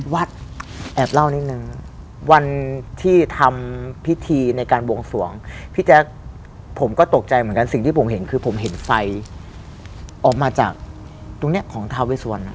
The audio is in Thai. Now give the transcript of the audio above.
แอบเล่านิดนึงวันที่ทำพิธีในการบวงสวงพี่แจ๊คผมก็ตกใจเหมือนกันสิ่งที่ผมเห็นคือผมเห็นไฟออกมาจากตรงนี้ของทาเวสวรรณ